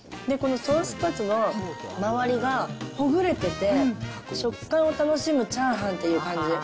このソースカツの周りがほぐれてて、食感を楽しむチャーハンっていう感じ。